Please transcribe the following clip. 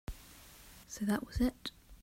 So that was it.